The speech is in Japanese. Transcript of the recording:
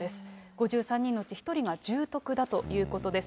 ５３人のうち１人が重篤だということです。